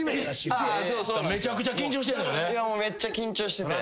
めっちゃ緊張してて。